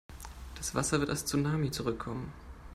Das Wasser wird als Tsunami zurückkommen.